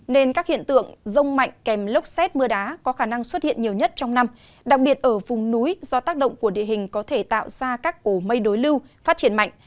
nên các hiện tượng rông mạnh kèm lốc xét mưa đá có khả năng xuất hiện nhiều nhất trong năm đặc biệt ở vùng núi do tác động của địa hình có thể tạo ra các cổ mây đối lưu phát triển mạnh